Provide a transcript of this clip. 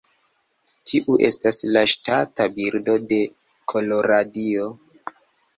Tiu estas la ŝtata birdo de Koloradio.